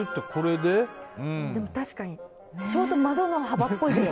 でも確かにちょうど窓の幅っぽいですよ。